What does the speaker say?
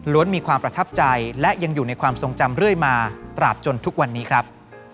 มีความประทับใจและยังอยู่ในความทรงจำเรื่อยมาตราบจนทุกวันนี้ครับ